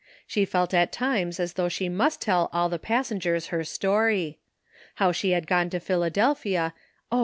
She felt at times as though she must tell all the passengers her story. How AT LAST. 869 she had gone to Philadelphia oh